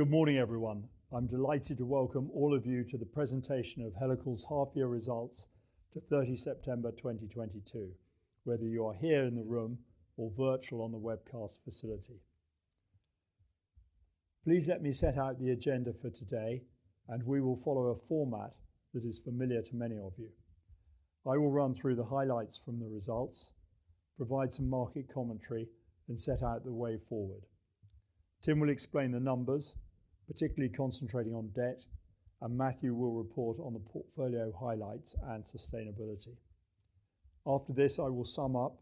Good morning, everyone. I'm delighted to welcome all of you to the presentation of Helical's Half-Year Results to 30 September 2022, whether you are here in the room or virtual on the webcast facility. Please let me set out the agenda for today. We will follow a format that is familiar to many of you. I will run through the highlights from the results, provide some market commentary, and set out the way forward. Tim will explain the numbers, particularly concentrating on debt. Matthew will report on the portfolio highlights and sustainability. After this, I will sum up.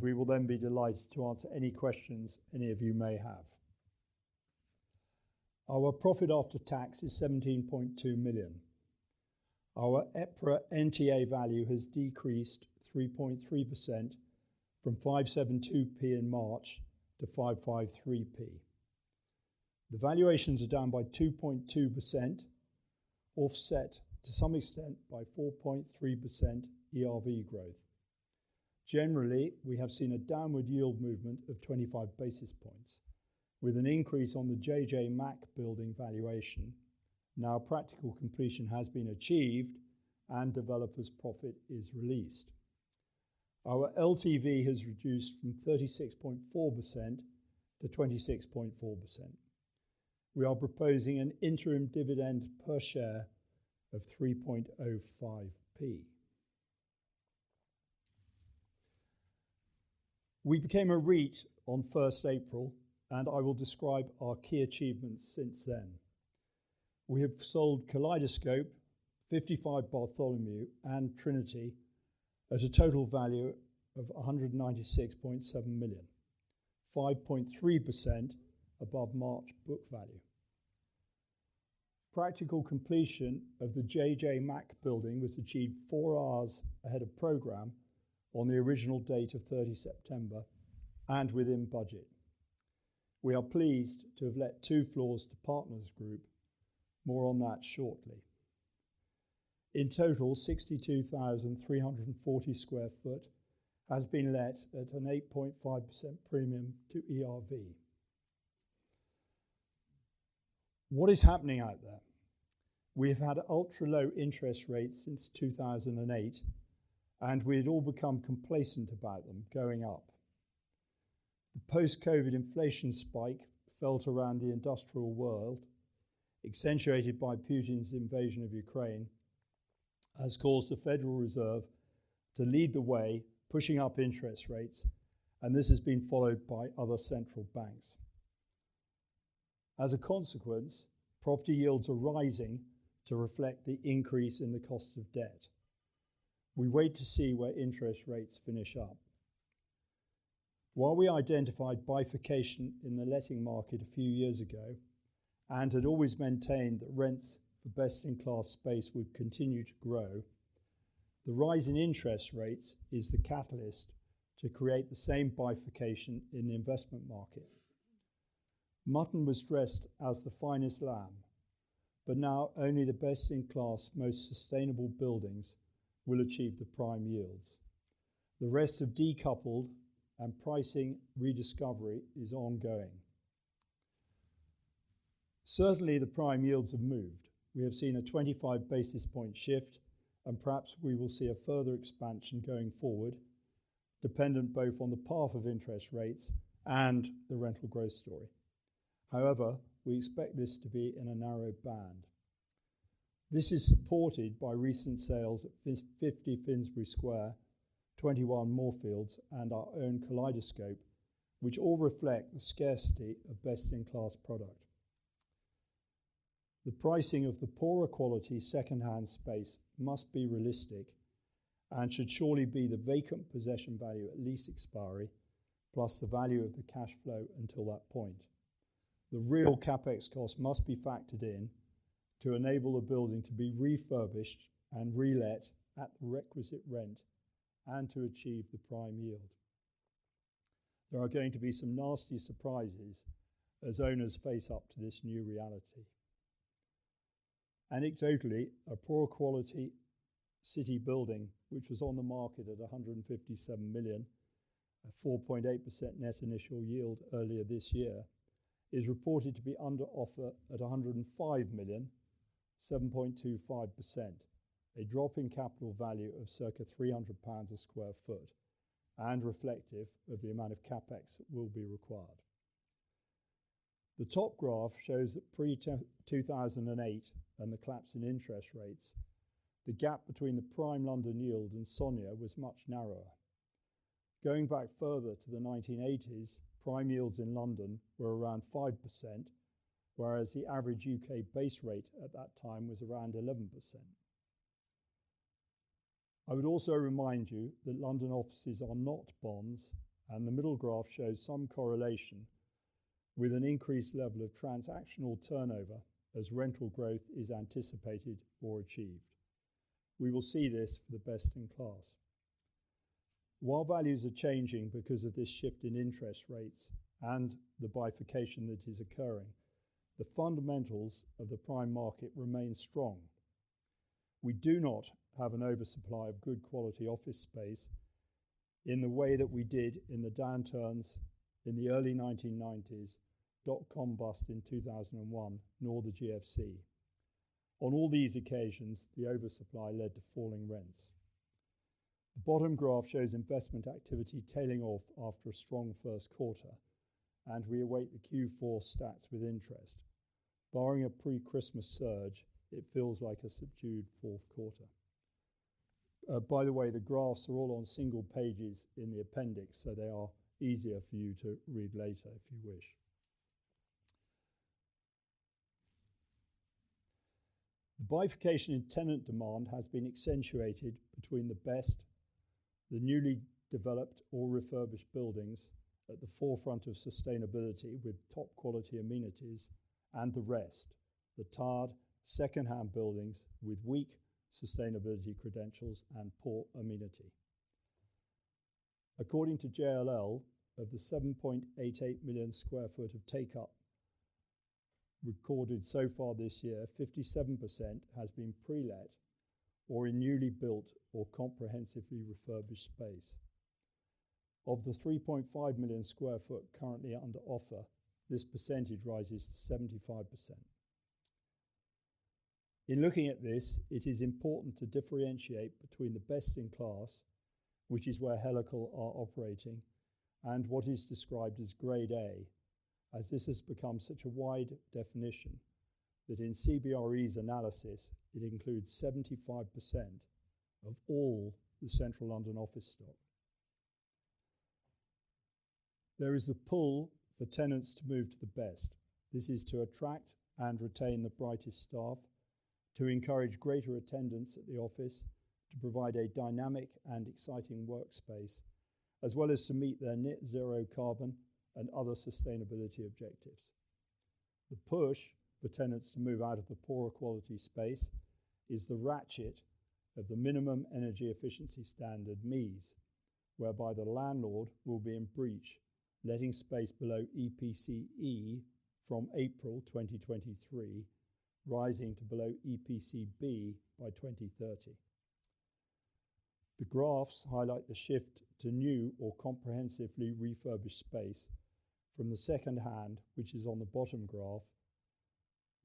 We will then be delighted to answer any questions any of you may have. Our profit after tax is 17.2 million. Our EPRA NTA value has decreased 3.3% from 5.72 in March to 5.53. The valuations are down by 2.2%, offset to some extent by 4.3% ERV growth. Generally, we have seen a downward yield movement of 25 basis points, with an increase on the JJ Mack building valuation. Now practical completion has been achieved and developer's profit is released. Our LTV has reduced from 36.4% to 26.4%. We are proposing an interim dividend per share of 0.0305. We became a REIT on 1st April, and I will describe our key achievements since then. We have sold Kaleidoscope, 55 Bartholomew, and Trinity at a total value of 196.7 million, 5.3% above March book value. Practical completion of the JJ Mack building was achieved four hours ahead of program on the original date of September 30 and within budget. We are pleased to have let two floors to Partners Group. More on that shortly. In total, 62,340 sq ft has been let at an 8.5% premium to ERV. What is happening out there? We have had ultra-low interest rates since 2008, and we'd all become complacent about them going up. The post-COVID inflation spike felt around the industrial world, accentuated by Putin's invasion of Ukraine, has caused the Federal Reserve to lead the way, pushing up interest rates, and this has been followed by other central banks. Property yields are rising to reflect the increase in the cost of debt. We wait to see where interest rates finish up. While we identified bifurcation in the letting market a few years ago and had always maintained that rents for best-in-class space would continue to grow, the rise in interest rates is the catalyst to create the same bifurcation in the investment market. Mutton was dressed as the finest lamb, but now only the best-in-class, most sustainable buildings will achieve the prime yields. The rest have decoupled and pricing rediscovery is ongoing. Certainly, the prime yields have moved. We have seen a 25 basis point shift, and perhaps we will see a further expansion going forward, dependent both on the path of interest rates and the rental growth story. However, we expect this to be in a narrow band. This is supported by recent sales at Fins, Fifty Finsbury Square, 21 Moorfields, and our own Kaleidoscope, which all reflect the scarcity of best-in-class product. The pricing of the poorer quality second-hand space must be realistic and should surely be the vacant possession value at lease expiry plus the value of the cash flow until that point. The real CapEx cost must be factored in to enable a building to be refurbished and relet at the requisite rent and to achieve the prime yield. There are going to be some nasty surprises as owners face up to this new reality. Anecdotally, a poor quality city building, which was on the market at 157 million at 4.8% net initial yield earlier this year, is reported to be under offer at 105 million, 7.25%. A drop in capital value of circa 300 pounds a sq ft and reflective of the amount of CapEx that will be required. The top graph shows that pre-2008 and the collapse in interest rates, the gap between the prime London yield and SONIA was much narrower. Going back further to the 1980s, prime yields in London were around 5%, whereas the average U.K. base rate at that time was around 11%. I would also remind you that London offices are not bonds. The middle graph shows some correlation with an increased level of transactional turnover as rental growth is anticipated or achieved. We will see this for the best in class. While values are changing because of this shift in interest rates and the bifurcation that is occurring, the fundamentals of the prime market remain strong. We do not have an oversupply of good quality office space in the way that we did in the downturns in the early 1990s, dot-com bust in 2001, nor the GFC. On all these occasions, the oversupply led to falling rents. The bottom graph shows investment activity tailing off after a strong first quarter, and we await the Q4 stats with interest. Barring a pre-Christmas surge, it feels like a subdued fourth quarter. By the way, the graphs are all on single pages in the appendix, so they are easier for you to read later if you wish. The bifurcation in tenant demand has been accentuated between the best, the newly developed or refurbished buildings at the forefront of sustainability with top quality amenities and the rest, the tired second-hand buildings with weak sustainability credentials and poor amenity. According to JLL, of the 7.88 million sq ft of take-up recorded so far this year, 57% has been pre-let or in newly built or comprehensively refurbished space. Of the 3.5 million sq ft currently under offer, this percentage rises to 75%. In looking at this, it is important to differentiate between the best in class, which is where Helical are operating, and what is described as grade A, as this has become such a wide definition that in CBRE's analysis, it includes 75% of all the Central London office stock. There is a pull for tenants to move to the best. This is to attract and retain the brightest staff, to encourage greater attendance at the office, to provide a dynamic and exciting workspace, as well as to meet their net zero carbon and other sustainability objectives. The push for tenants to move out of the poorer quality space is the ratchet of the Minimum Energy Efficiency Standards, MEES, whereby the landlord will be in breach letting space below EPC E from April 2023, rising to below EPC B by 2030. The graphs highlight the shift to new or comprehensively refurbished space from the second-hand, which is on the bottom graph,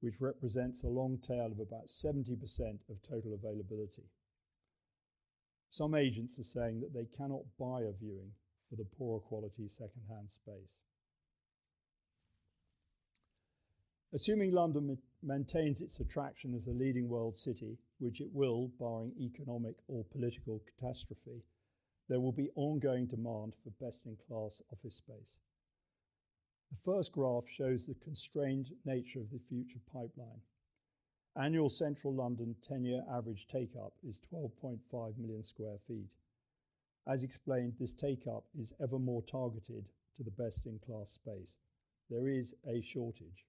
which represents a long tail of about 70% of total availability. Some agents are saying that they cannot buy a viewing for the poorer quality second-hand space. Assuming London maintains its attraction as a leading world city, which it will barring economic or political catastrophe, there will be ongoing demand for best in class office space. The first graph shows the constrained nature of the future pipeline. Annual Central London ten-year average take-up is 12.5 million sq ft. As explained, this take-up is ever more targeted to the best in class space. There is a shortage.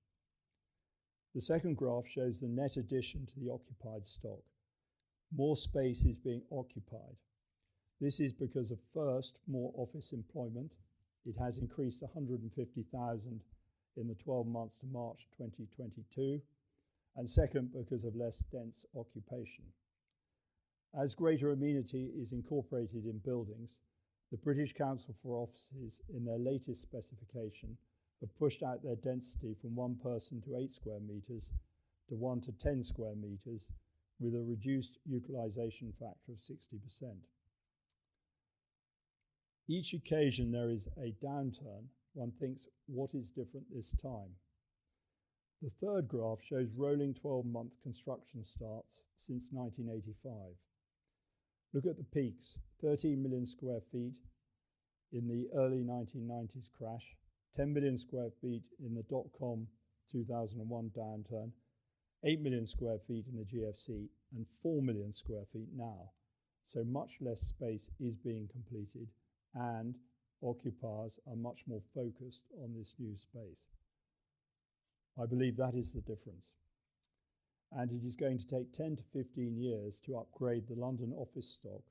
The second graph shows the net addition to the occupied stock. More space is being occupied. This is because of, first, more office employment. It has increased 150,000 in the 12 months to March 2022. Second, because of less dense occupation. As greater amenity is incorporated in buildings, the British Council for Offices, in their latest specification, have pushed out their density from one person to 8 square meters to one to 10 square meters with a reduced utilization factor of 60%. Each occasion there is a downturn, one thinks, "What is different this time?" The third graph shows rolling 12-month construction starts since 1985. Look at the peaks. 13 million sq ft in the early 1990s crash, 10 million sq ft in the dotcom 2001 downturn, 8 million sq ft in the GFC, and 4 million sq ft now. Much less space is being completed, and occupiers are much more focused on this new space. I believe that is the difference. It is going to take 10-15 years to upgrade the London office stock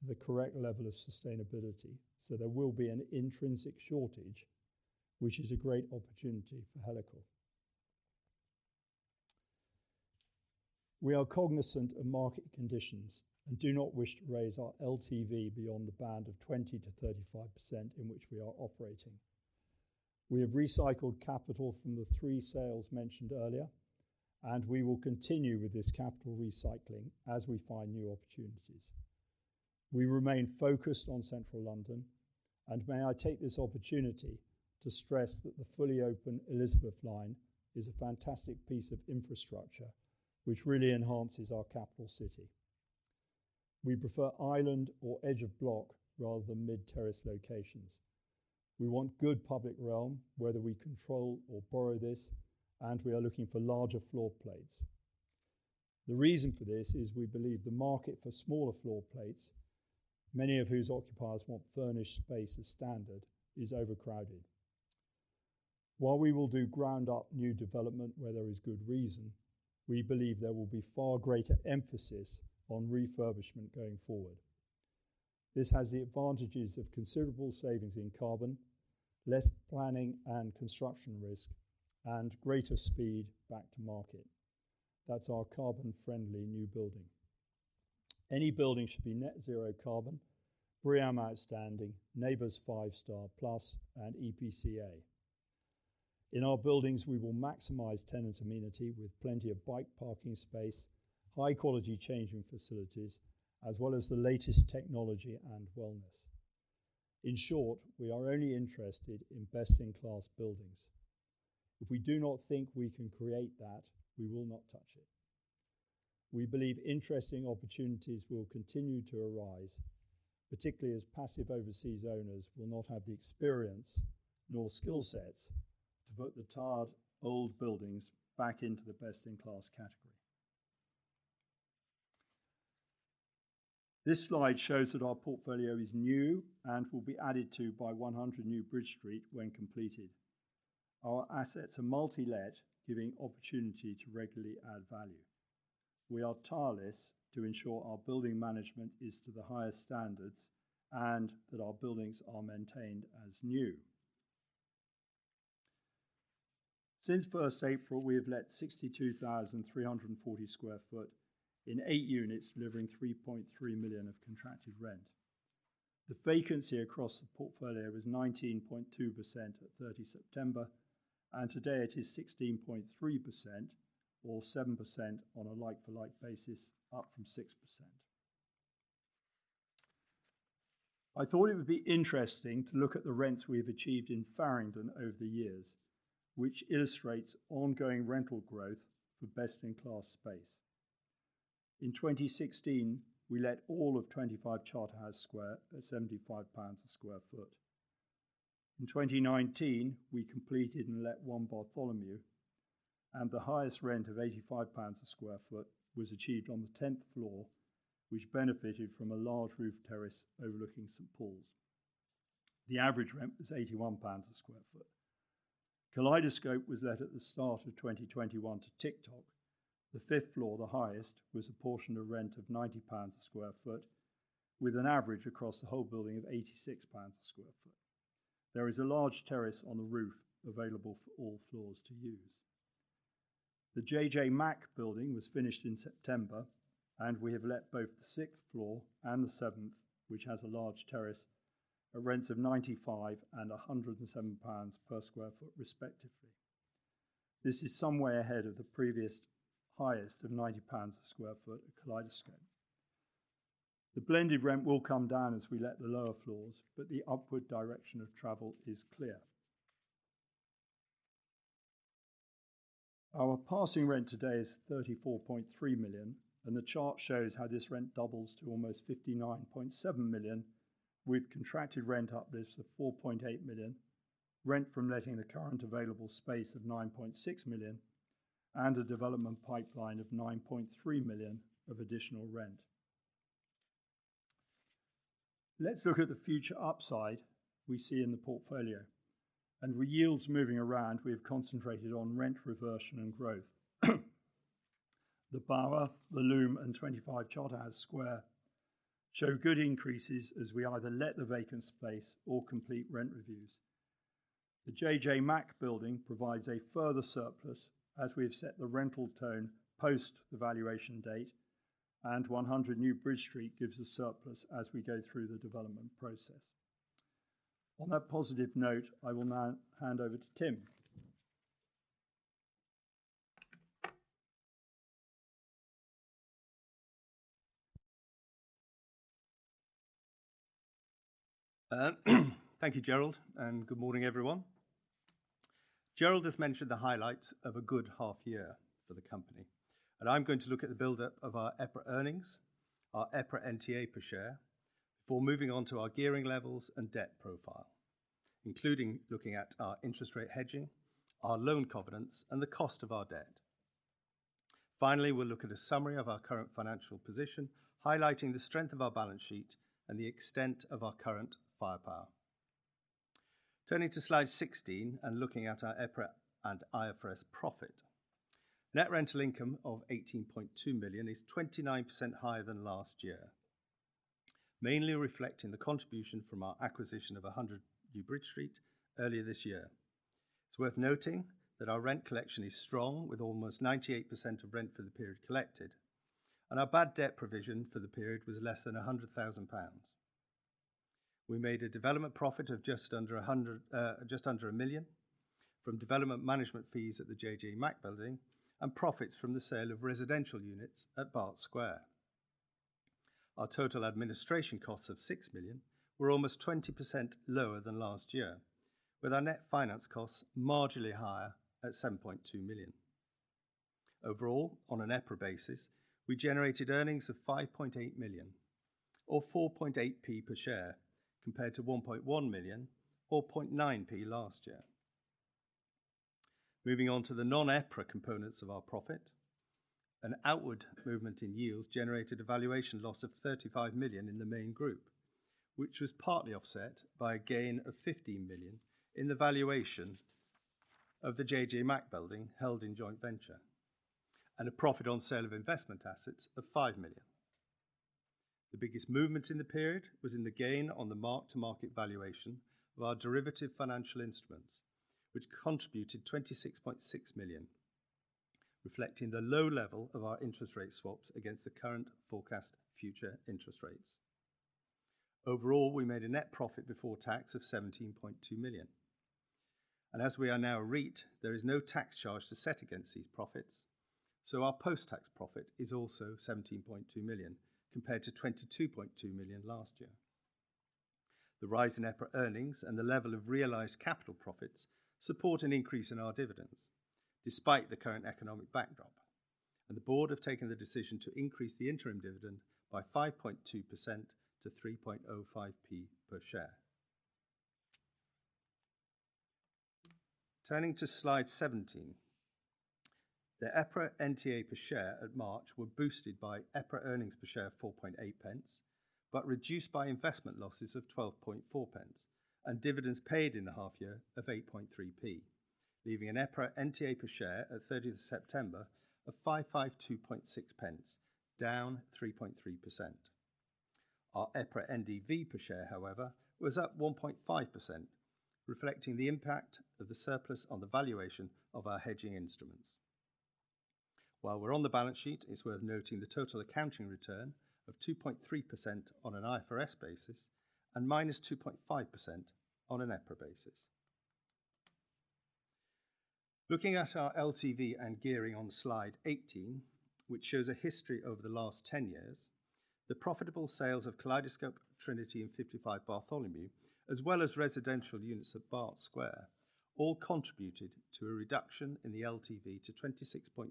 to the correct level of sustainability, so there will be an intrinsic shortage, which is a great opportunity for Helical. We are cognizant of market conditions and do not wish to raise our LTV beyond the band of 20%-35% in which we are operating. We have recycled capital from the three sales mentioned earlier, and we will continue with this capital recycling as we find new opportunities. We remain focused on Central London, and may I take this opportunity to stress that the fully open Elizabeth line is a fantastic piece of infrastructure which really enhances our capital city. We prefer island or edge-of-block rather than mid-terrace locations. We want good public realm, whether we control or borrow this, and we are looking for larger floor plates. The reason for this is we believe the market for smaller floor plates, many of whose occupiers want furnished space as standard, is overcrowded. While we will do ground up new development where there is good reason, we believe there will be far greater emphasis on refurbishment going forward. This has the advantages of considerable savings in carbon, less planning and construction risk, and greater speed back to market. That's our carbon-friendly new building. Any building should be net zero carbon, BREEAM outstanding, NABERS five-star plus and EPC A. In our buildings, we will maximize tenant amenity with plenty of bike parking space, high-quality changing facilities, as well as the latest technology and wellness. In short, we are only interested in best-in-class buildings. If we do not think we can create that, we will not touch it. We believe interesting opportunities will continue to arise, particularly as passive overseas owners will not have the experience nor skill sets to put the tired old buildings back into the best-in-class category. This slide shows that our portfolio is new and will be added to by 100 New Bridge Street when completed. Our assets are multi-let, giving opportunity to regularly add value. We are tireless to ensure our building management is to the highest standards and that our buildings are maintained as new. Since first April, we have let 62,340 sq ft in eight units, delivering 3.3 million of contracted rent. The vacancy across the portfolio is 19.2% at 30 September, today it is 16.3% or 7% on a like-for-like basis, up from 6%. I thought it would be interesting to look at the rents we have achieved in Farringdon over the years, which illustrates ongoing rental growth for best-in-class space. In 2016, we let all of 25 Charterhouse Square at 75 pounds a sq ft. In 2019, we completed and let 1 Bartholomew, and the highest rent of 85 pounds a sq ft was achieved on the 10th floor, which benefited from a large roof terrace overlooking St. Paul's. The average rent was 81 pounds a sq ft. Kaleidoscope was let at the start of 2021 to TikTok. The 5th floor, the highest, was a portion of rent of 90 pounds a sq ft, with an average across the whole building of 86 pounds a sq ft. There is a large terrace on the roof available for all floors to use. The JJ Mack building was finished in September, and we have let both the sixth floor and the seventh, which has a large terrace, at rents of 95 and 107 pounds per sq ft, respectively. This is some way ahead of the previous highest of 90 pounds a sq ft at Kaleidoscope. The blended rent will come down as we let the lower floors, but the upward direction of travel is clear. Our passing rent today is 34.3 million, and the chart shows how this rent doubles to almost 59.7 million, with contracted rent uplifts of 4.8 million, rent from letting the current available space of 9.6 million, and a development pipeline of 9.3 million of additional rent. Let's look at the future upside we see in the portfolio. With yields moving around, we have concentrated on rent reversion and growth. The Bower, The Loom, and 25 Charterhouse Square show good increases as we either let the vacant space or complete rent reviews. The JJ Mack building provides a further surplus as we have set the rental tone post the valuation date. 100 New Bridge Street gives a surplus as we go through the development process. On that positive note, I will now hand over to Tim. Thank you, Gerald, good morning, everyone. Gerald has mentioned the highlights of a good half year for the company. I'm going to look at the buildup of our EPRA earnings, our EPRA NTA per share before moving on to our gearing levels and debt profile, including looking at our interest rate hedging, our loan covenants, and the cost of our debt. Finally, we'll look at a summary of our current financial position, highlighting the strength of our balance sheet and the extent of our current firepower. Turning to slide 16 and looking at our EPRA and IFRS profit. Net rental income of 18.2 million is 29% higher than last year, mainly reflecting the contribution from our acquisition of 100 New Bridge Street earlier this year. It's worth noting that our rent collection is strong, with almost 98% of rent for the period collected, and our bad debt provision for the period was less than 100,000 pounds. We made a development profit of just under 1 million from development management fees at the JJ Mack building and profits from the sale of residential units at Bart Square. Our total administration costs of 6 million were almost 20% lower than last year, with our net finance costs marginally higher at 7.2 million. Overall, on an EPRA basis, we generated earnings of 5.8 million or 4.8p per share, compared to 1.1 million or 0.9p last year. Moving on to the non-EPRA components of our profit. An outward movement in yields generated a valuation loss of 35 million in the main group, which was partly offset by a gain of 15 million in the valuation of the JJ Mack building held in joint venture. A profit on sale of investment assets of 5 million. The biggest movement in the period was in the gain on the mark-to-market valuation of our derivative financial instruments, which contributed 26.6 million, reflecting the low level of our interest rate swaps against the current forecast future interest rates. Overall, we made a net profit before tax of 17.2 million. As we are now a REIT, there is no tax charge to set against these profits, so our post-tax profit is also 17.2 million, compared to 22.2 million last year. The rise in EPRA earnings and the level of realized capital profits support an increase in our dividends, despite the current economic backdrop. The board have taken the decision to increase the interim dividend by 5.2% to 3.05p per share. Turning to slide 17. The EPRA NTA per share at March were boosted by EPRA earnings per share of 4.8p, but reduced by investment losses of 12.4p and dividends paid in the half year of 8.3p, leaving an EPRA NTA per share at 30th September of 552.6p, down 3.3%. Our EPRA NDV per share, however, was up 1.5%, reflecting the impact of the surplus on the valuation of our hedging instruments. While we're on the balance sheet, it's worth noting the total accounting return of 2.3% on an IFRS basis and -2.5% on an EPRA basis. Looking at our LTV and gearing on slide 18, which shows a history over the last 10 years, the profitable sales of Kaleidoscope, Trinity, and 55 Bartholomew, as well as residential units at Bart Square, all contributed to a reduction in the LTV to 26.4%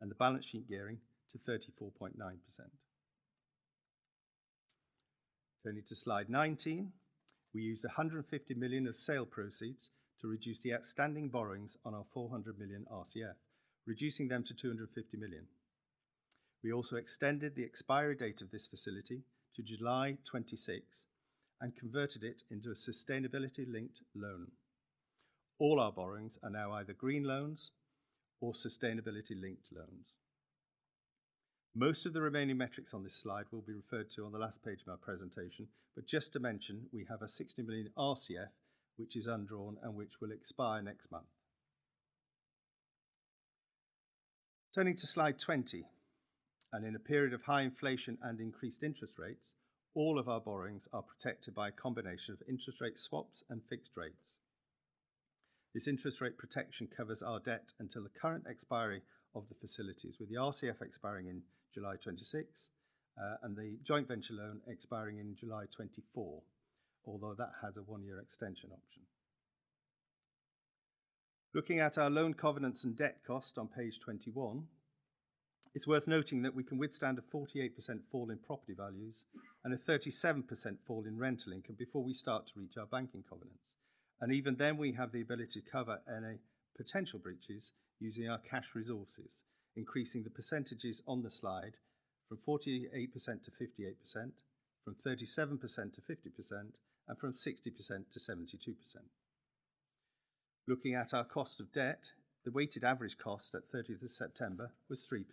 and the balance sheet gearing to 34.9%. Turning to slide 19. We used 150 million of sale proceeds to reduce the outstanding borrowings on our 400 million RCF, reducing them to 250 million. We also extended the expiry date of this facility to July 26th and converted it into a sustainability-linked loan. All our borrowings are now either green loans or sustainability-linked loans. Most of the remaining metrics on this slide will be referred to on the last page of our presentation. Just to mention, we have a 60 million RCF which is undrawn and which will expire next month. Turning to slide 20. In a period of high inflation and increased interest rates, all of our borrowings are protected by a combination of interest rate swaps and fixed rates. This interest rate protection covers our debt until the current expiry of the facilities, with the RCF expiring in July 26th, and the joint venture loan expiring in July 2024, although that has a one-year extension option. Looking at our loan covenants and debt cost on page 21, it's worth noting that we can withstand a 48% fall in property values and a 37% fall in rental income before we start to reach our banking covenants. Even then, we have the ability to cover any potential breaches using our cash resources, increasing the percentages on the slide from 48% to 58%, from 37% to 50%, and from 60% to 72%. Looking at our cost of debt, the weighted average cost at 30th September was 3%.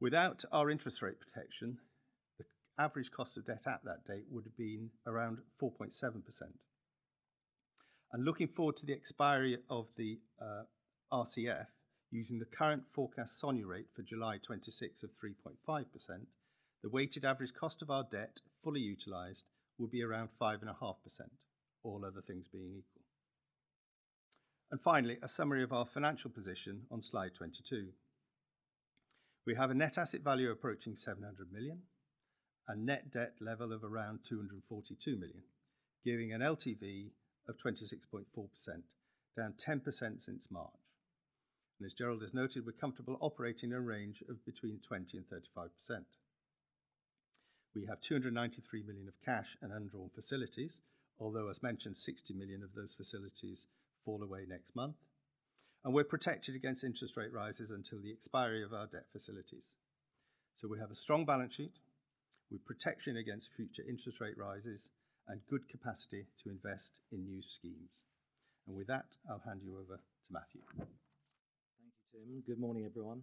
Without our interest rate protection, the average cost of debt at that date would have been around 4.7%. Looking forward to the expiry of the RCF, using the current forecast SONIA rate for July 26th of 3.5%, the weighted average cost of our debt fully utilized will be around 5.5%, all other things being equal. Finally, a summary of our financial position on slide 22. We have a net asset value approaching 700 million, a net debt level of around 242 million, giving an LTV of 26.4%, down 10% since March. As Gerald has noted, we're comfortable operating in a range of between 20% and 35%. We have 293 million of cash and undrawn facilities, although as mentioned, 60 million of those facilities fall away next month. We're protected against interest rate rises until the expiry of our debt facilities. We have a strong balance sheet with protection against future interest rate rises and good capacity to invest in new schemes. With that, I'll hand you over to Matthew. Thank you, Tim. Good morning, everyone.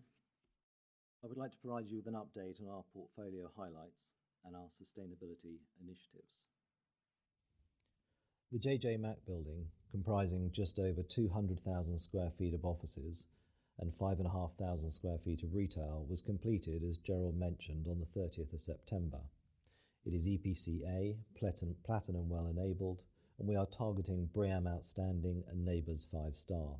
I would like to provide you with an update on our portfolio highlights and our sustainability initiatives. The JJ Mack building, comprising just over 200,000 sq ft of offices and 5,500 sq ft of retail, was completed, as Gerald mentioned, on the 30th of September. It is EPC A platinum WELL Enabled, and we are targeting BREEAM outstanding and NABERS five star.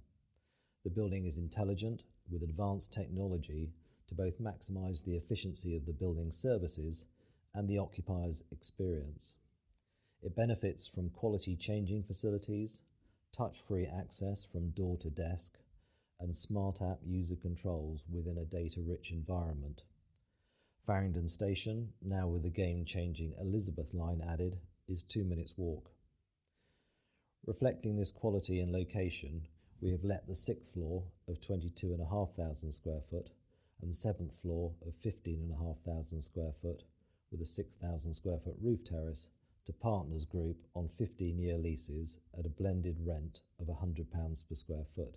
The building is intelligent with advanced technology to both maximize the efficiency of the building services and the occupier's experience. It benefits from quality changing facilities, touch-free access from door to desk, and smart app user controls within a data-rich environment. Farringdon Station, now with the game-changing Elizabeth line added, is two minutes walk. Reflecting this quality and location, we have let the sixth floor of 22 and a half thousand square foot and the seventh floor of 15 and a half thousand square foot with a 6,000 square foot roof terrace to Partners Group on 15-year leases at a blended rent of 100 pounds per square foot.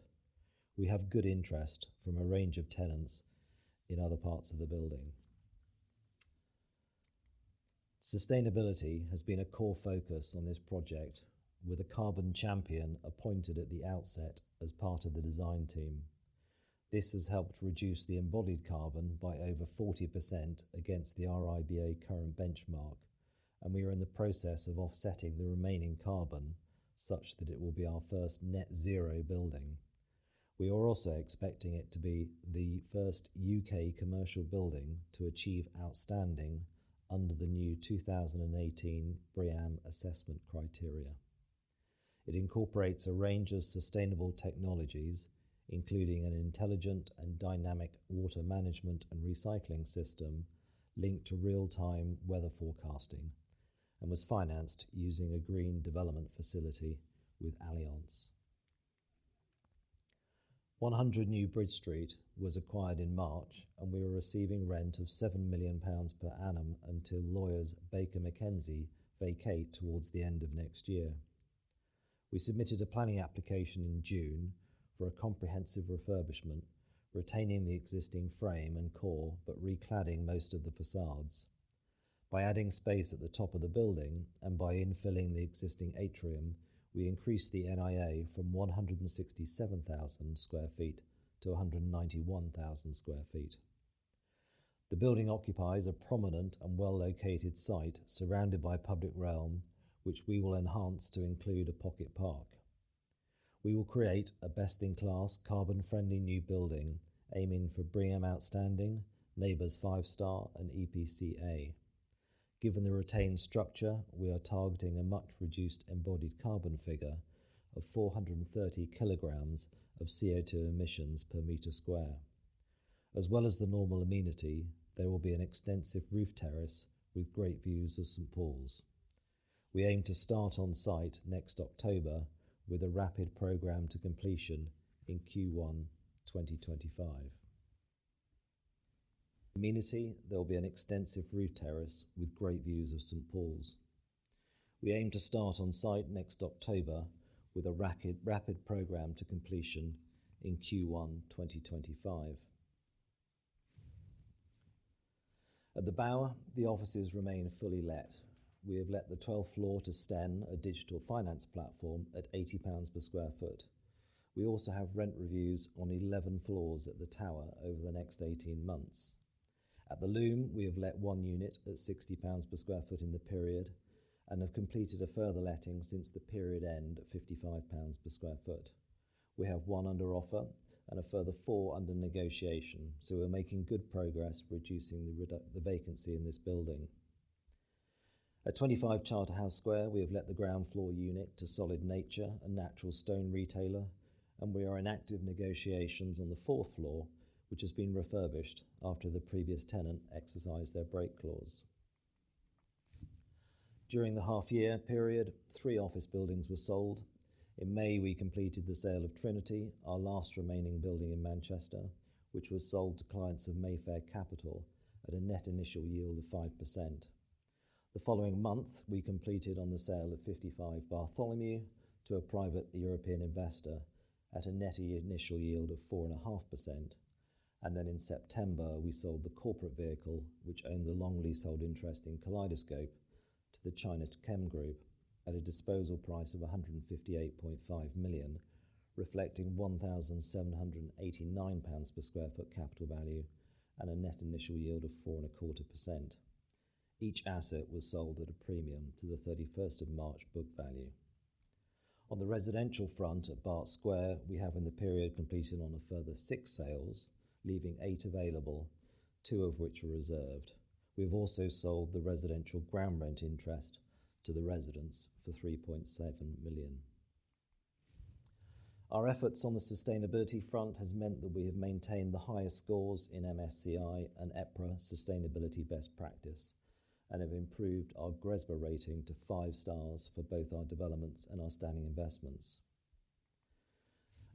We have good interest from a range of tenants in other parts of the building. Sustainability has been a core focus on this project, with a carbon champion appointed at the outset as part of the design team. This has helped reduce the embodied carbon by over 40% against the RIBA current benchmark, and we are in the process of offsetting the remaining carbon such that it will be our first net zero building. We are also expecting it to be the first UK commercial building to achieve outstanding under the new 2018 BREEAM assessment criteria. It incorporates a range of sustainable technologies, including an intelligent and dynamic water management and recycling system linked to real-time weather forecasting, and was financed using a green development facility with Allianz. 100 New Bridge Street was acquired in March, and we were receiving rent of 7 million pounds per annum until lawyers Baker McKenzie vacate towards the end of next year. We submitted a planning application in June for a comprehensive refurbishment, retaining the existing frame and core but recladding most of the facades. By adding space at the top of the building and by infilling the existing atrium, we increased the NIA from 167,000 sq ft to 191,000 sq ft. The building occupies a prominent and well-located site surrounded by public realm, which we will enhance to include a pocket park. We will create a best-in-class carbon-friendly new building aiming for BREEAM Outstanding, NABERS 5 Star and EPC A. Given the retained structure, we are targeting a much-reduced embodied carbon figure of 430 kilograms of CO₂ emissions per meter square. As well as the normal amenity, there will be an extensive roof terrace with great views of St Paul's. We aim to start on site next October with a rapid program to completion in Q1 2025. Amenity, there will be an extensive roof terrace with great views of St Paul's. We aim to start on site next October with a rapid program to completion in Q1 2025. At the Bower, the offices remain fully let. We have let the 12th floor to Stenn, a digital finance platform, at 80 pounds per sq ft. We also have rent reviews on 11 floors at the tower over the next 18 months. At the Loom, we have let one unit at 60 pounds per sq ft in the period and have completed a further letting since the period end at 55 pounds per sq ft. We have one under offer and a further four under negotiation, we're making good progress reducing the vacancy in this building. At 25 Charterhouse Square, we have let the ground floor unit to SolidNature, a natural stone retailer, we are in active negotiations on the fourth floor, which has been refurbished after the previous tenant exercised their break clause. During the half year period, three office buildings were sold. In May, we completed the sale of Trinity, our last remaining building in Manchester, which was sold to clients of Mayfair Capital at a net initial yield of 5%. The following month, we completed on the sale of 55 Bartholomew to a private European investor at a net initial yield of 4.5%. In September, we sold the corporate vehicle, which owned the long leasehold interest in Kaleidoscope to the Chinachem Group at a disposal price of 158.5 million, reflecting 1,789 pounds per sq ft capital value and a net initial yield of 4.25%. Each asset was sold at a premium to the 31st of March book value. On the residential front at Bart Square, we have in the period completed on a further six sales, leaving eight available, two of which are reserved. We have also sold the residential ground rent interest to the residents for 3.7 million. Our efforts on the sustainability front has meant that we have maintained the highest scores in MSCI and EPRA Sustainability Best Practice and have improved our GRESB rating to five stars for both our developments and our standing investments.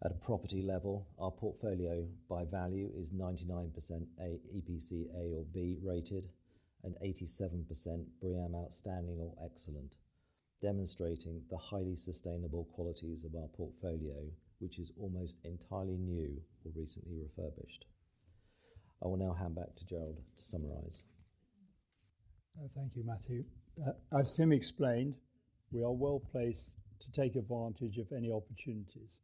At a property level, our portfolio by value is 99% EPC A or B-rated and 87% BREEAM Outstanding or Excellent, demonstrating the highly sustainable qualities of our portfolio, which is almost entirely new or recently refurbished. I will now hand back to Gerald to summarize. Thank you, Matthew. As Tim explained, we are well placed to take advantage of any opportunities.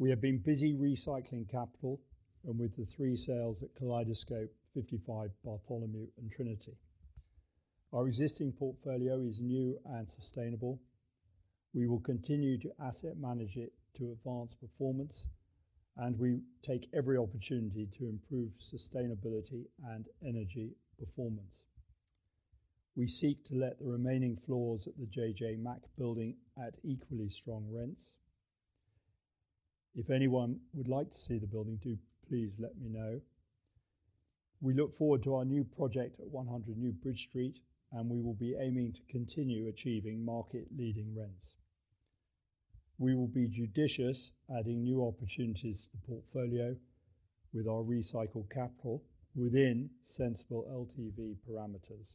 We have been busy recycling capital and with the three sales at Kaleidoscope, 55 Bartholomew and Trinity. Our existing portfolio is new and sustainable. We will continue to asset manage it to advance performance, and we take every opportunity to improve sustainability and energy performance. We seek to let the remaining floors at the JJ Mack building at equally strong rents. If anyone would like to see the building, do please let me know. We look forward to our new project at 100 New Bridge Street, and we will be aiming to continue achieving market-leading rents. We will be judicious, adding new opportunities to the portfolio with our recycled capital within sensible LTV parameters,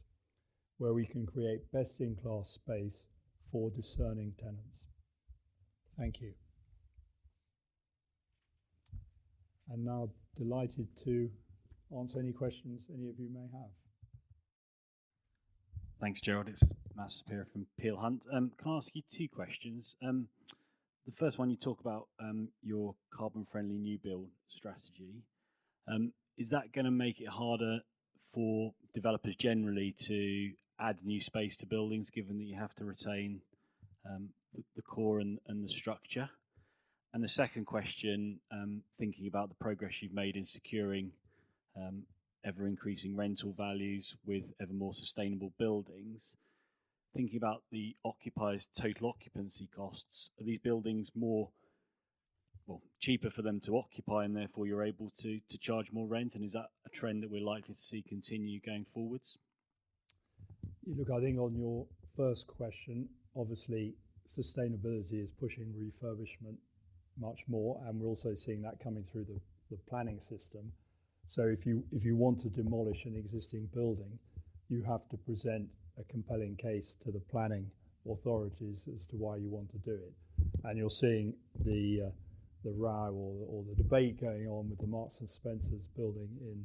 where we can create best-in-class space for discerning tenants. Thank you. I'm now delighted to answer any questions any of you may have. Thanks, Gerald. It's Matthew Saperia from Peel Hunt. Can I ask you two questions? The first one, you talk about your carbon-friendly new build strategy. Is that gonna make it harder for developers generally to add new space to buildings, given that you have to retain the core and the structure? The second question, thinking about the progress you've made in securing ever-increasing rental values with ever more sustainable buildings. Thinking about the occupiers' total occupancy costs, are these buildings more or cheaper for them to occupy and therefore you're able to charge more rent? Is that a trend that we're likely to see continue going forwards? Look, I think on your first question, obviously sustainability is pushing refurbishment much more, and we're also seeing that coming through the planning system. If you want to demolish an existing building, you have to present a compelling case to the planning authorities as to why you want to do it. And you're seeing the row or the debate going on with the Marks & Spencer building in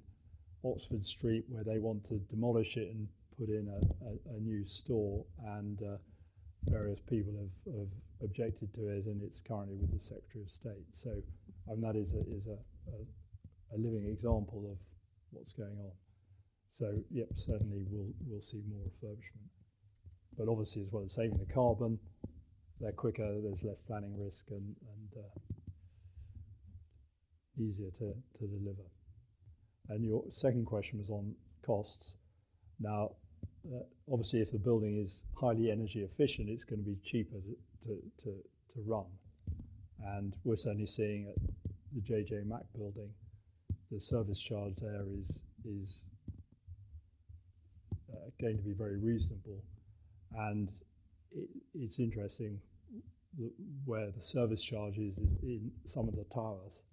Oxford Street, where they want to demolish it and put in a new store and various people have objected to it, and it's currently with the Secretary of State. That is a living example of what's going on. Yep, certainly we'll see more refurbishment. Obviously as well as saving the carbon, they're quicker, there's less planning risk and easier to deliver. Your second question was on costs. Now, obviously, if the building is highly energy efficient, it's gonna be cheaper to run. We're certainly seeing at the JJ Mack building, the service charge there is going to be very reasonable. It's interesting where the service charge is in some of the towers,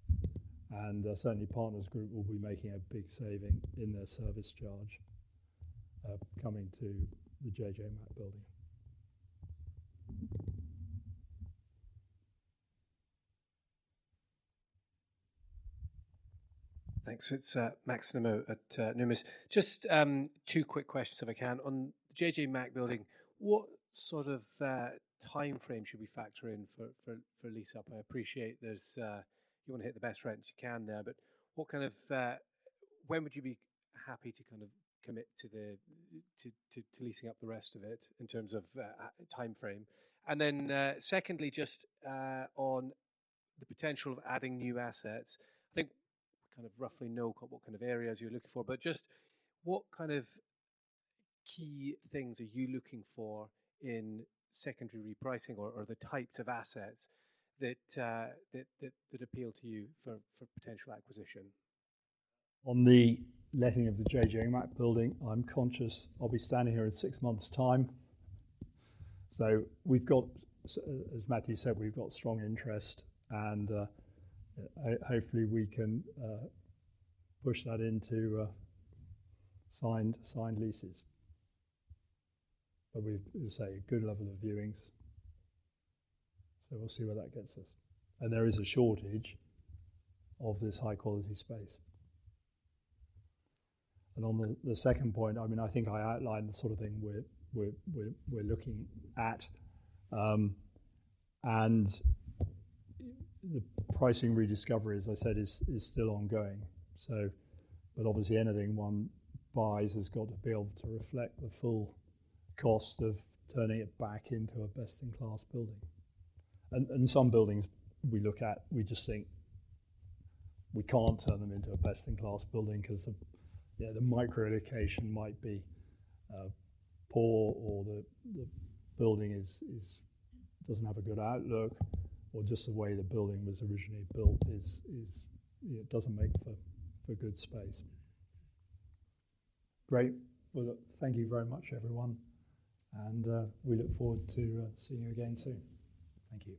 and certainly Partners Group will be making a big saving in their service charge coming to the JJ Mack building. Thanks. It's Max Nimmo at Numis. Just two quick questions if I can. On the JJ Mack building, what sort of timeframe should we factor in for lease-up? I appreciate there's you wanna hit the best rents you can there, but what kind of... When would you be happy to kind of commit to leasing up the rest of it in terms of a timeframe? Secondly, just on the potential of adding new assets, I think we kind of roughly know what kind of areas you're looking for, but just what kind of key things are you looking for in secondary repricing or the types of assets that appeal to you for potential acquisition? On the letting of the JJ Mack building, I'm conscious I'll be standing here in six months' time. We've got as Matthew said, we've got strong interest and hopefully we can push that into signed leases. We've, as I say, a good level of viewings, so we'll see where that gets us. There is a shortage of this high-quality space. On the second point, I mean, I think I outlined the sort of thing we're looking at. The pricing rediscovery, as I said, is still ongoing. But obviously anything one buys has got to be able to reflect the full cost of turning it back into a best-in-class building. Some buildings we look at, we just think we can't turn them into a best-in-class building 'cause the micro location might be poor or the building doesn't have a good outlook or just the way the building was originally built is, you know, doesn't make for good space. Great. Well, look, thank you very much, everyone, we look forward to seeing you again soon. Thank you.